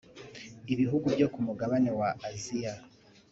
Ibihugu byo ku mugabane wa Asia